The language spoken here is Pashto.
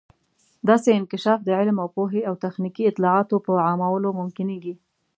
داسې انکشاف د علم او پوهې او تخنیکي اطلاعاتو په عامولو ممکنیږي.